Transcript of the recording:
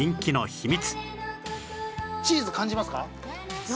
チーズも感じます。